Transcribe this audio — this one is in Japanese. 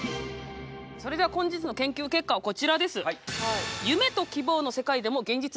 それでは本日の研究結果はこちらです。